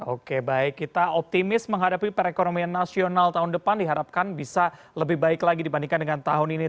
oke baik kita optimis menghadapi perekonomian nasional tahun depan diharapkan bisa lebih baik lagi dibandingkan dengan tahun ini